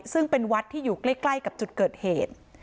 ซึ่งเป็นวัดที่อยู่ใกล้กับจุดเกิดเหตุ